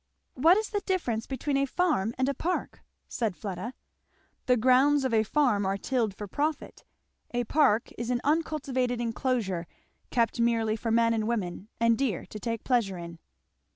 "What is the difference between a farm and a park?" said Fleda. "The grounds of a farm are tilled for profit; a park is an uncultivated enclosure kept merely for men and women and deer to take pleasure in."